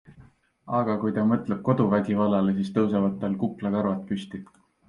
Aga kui ta mõtleb koduvägivallale, siis tõusevad tal kuklakarvad püsti.